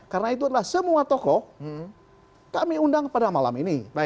karena itu adalah semua tokoh kami undang pada malam ini